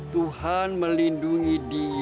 tuhan melindungi dia